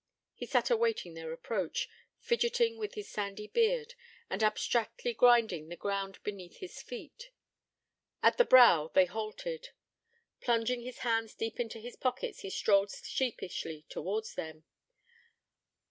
He sat awaiting their approach, fidgeting with his sandy beard, and abstractedly grinding the ground beneath his heel. At the brow they halted: plunging his hands deep into his pockets, he strolled sheepishly towards them.